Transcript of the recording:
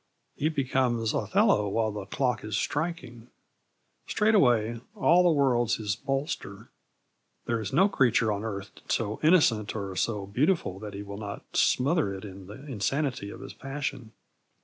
He becomes Othello while the clock is striking. Straightway, all the world's his bolster; there is no creature on earth so innocent or so beautiful that he will not smother it in the insanity of his passion.